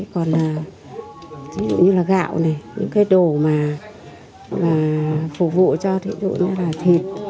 còn là thí dụ như là gạo này những cái đồ mà phục vụ cho thí dụ như là thịt